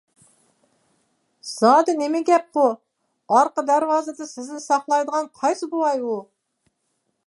زادى نېمە گەپ بۇ؟ ئارقا دەرۋازىدا سىزنى ساقلايدىغان قايسى بوۋاي ئۇ؟